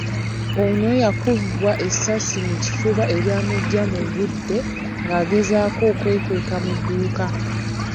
Ono yakubwa essasi mu kifuba eryamuggya mu budde ng’agezaako okwekweka mu dduuka.